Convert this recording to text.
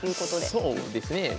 そうですねえ